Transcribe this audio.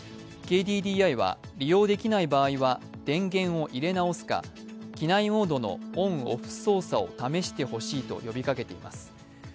ＫＤＤＩは利用できない場合は電源を入れ直すか機内モードのオン・オフ操作を試してほしいと呼びかけています。